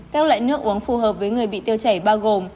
các loại nước uống phù hợp với người bị tiêu chảy bao gồm